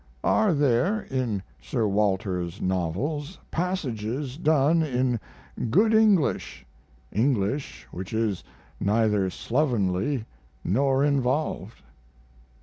Are there in Sir Walter's novels passages done in good English English which is neither slovenly nor involved?